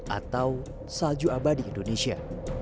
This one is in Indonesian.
atau salju abadi indonesia